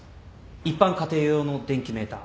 一般家庭用の電気メーター